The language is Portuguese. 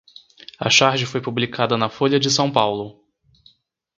A charge foi publicada na Folha de São Paulo